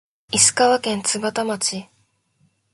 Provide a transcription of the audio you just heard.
石川県津幡町